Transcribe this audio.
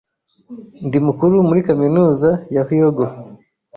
Ndi mukuru muri kaminuza ya Hyogo.